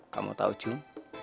kamu tau jul